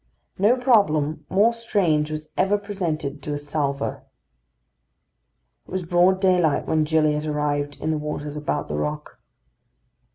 No problem more strange was ever presented to a salvor. It was broad daylight when Gilliatt arrived in the waters about the rock.